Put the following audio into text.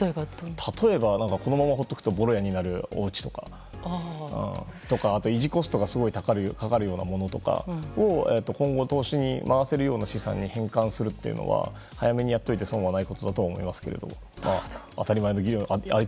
例えば、このまま放っとくとぼろ屋になるおうちとか維持コストがすごくかかるようなものとかを今後、投資に回せるような資産に変換するというのは早めにやっといて損はないことだと思いますけど。